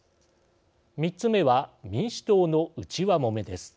３つ目は、民主党の内輪もめです。